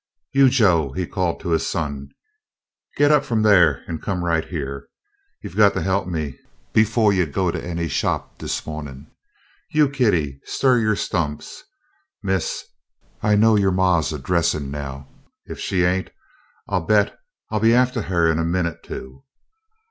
"You, Joe," he called to his son, "git up f'om daih an' come right hyeah. You got to he'p me befo' you go to any shop dis mo'nin'. You, Kitty, stir yo' stumps, miss. I know yo' ma 's a dressin' now. Ef she ain't, I bet I 'll be aftah huh in a minute, too.